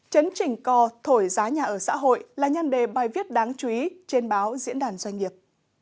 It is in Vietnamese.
chấn trình co thổi giá nhà ở xã hội là nhân đề bài viết đáng chú ý trên báo diễn đàn doanh nghiệp